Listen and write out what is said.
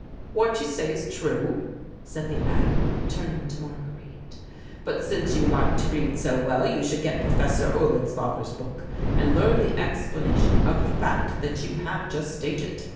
'" "What you say is true," said the Admiral, turning to Marguerite, "but since you like to read so well, you should get Prof. Ohlenslagger's book and learn the explanation of the fact that you have just stated.